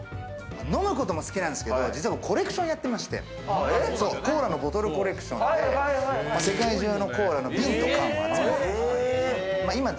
飲むことも好きなんですけど、実はコレクションもやっていまして、コーラのボトルコレクションで世界中のコーラの瓶と缶を集めています。